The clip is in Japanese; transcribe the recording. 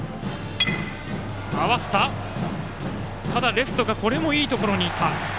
レフトがこれもいいところにいた。